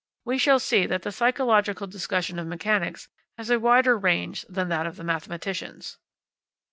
We shall see that the psychological discussion of mechanics has a wider range than that of the mathematicians.